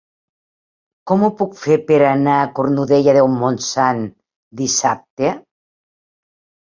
Com ho puc fer per anar a Cornudella de Montsant dissabte?